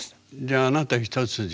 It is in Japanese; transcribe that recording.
じゃああなた一筋？